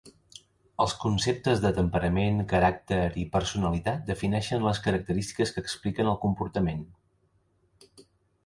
Els conceptes de temperament, caràcter i personalitat defineixen les característiques que expliquen el comportament.